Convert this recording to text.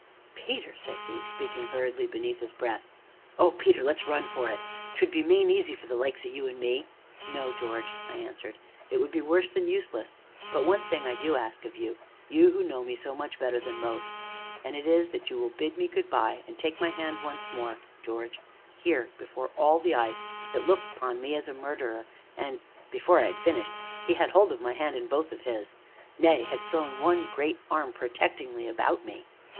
"Peter," said he, speaking hurriedly beneath his breath, "Oh, Peter! let's run for it 'twould be main easy for the likes o' you an' me " "No, George," I answered; "it would be worse than useless. But one thing I do ask of you you who know me so much better than most and it is, that you will bid me good by, and take my hand once more, George here before all these eyes that look upon me as a murderer, and " Before I had finished he had my hand in both of his nay, had thrown one great arm protectingly about me.